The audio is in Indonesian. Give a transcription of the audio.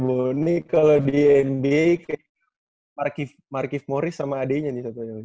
ini kalau di nba kayak marky morris sama ade nya nih satunya